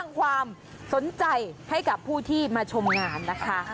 ความสนใจให้กับผู้ที่มาชมงานนะคะ